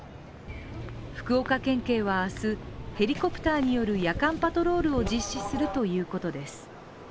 福岡県警は明日、ヘリコプターによる夜間パトロールを実施するということです。